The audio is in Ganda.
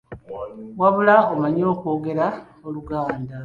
Wabula omanyi okwogela Oluganda!